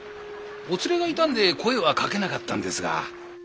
お連れがいたんで声はかけなかったんですが。